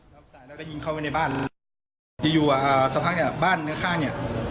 แล้วก็ยิงเข้าไปในบ้านอยู่อยู่อ่าสัปดาห์เนี้ยบ้านข้างเนี้ย